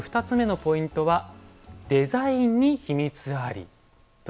２つ目のポイントは「デザインに秘密あり」。